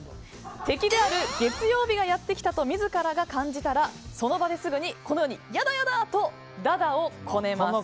敵である月曜日がやってきたと自らが感じたらその場ですぐにこのように嫌だ嫌だ！と駄々をこねます。